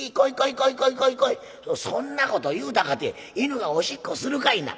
「そんなこと言うたかて犬がおしっこするかいな」。